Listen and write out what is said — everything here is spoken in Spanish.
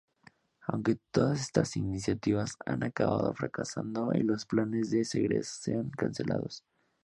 Aunque todas estas iniciativas han acabado fracasando, y los planes de segregación cancelados.